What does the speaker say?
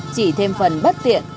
chỉ thêm phần bất tiện